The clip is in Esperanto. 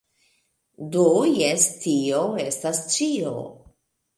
Do, jes tio estas ĉio